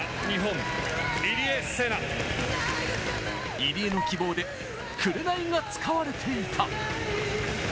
入江の希望で『紅』が使われていた。